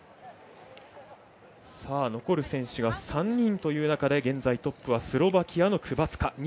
残る選手が３人という中で現在トップはスロバキアのクバツカ。